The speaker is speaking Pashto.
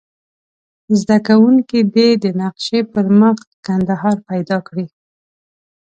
زده کوونکي دې د نقشې پر مخ کندهار پیدا کړي.